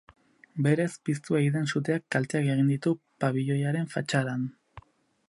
Berez piztu ei den suteak kalteak egin ditu pabiloiaren fatxadan.